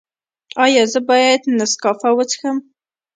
ایا زه باید نسکافه وڅښم؟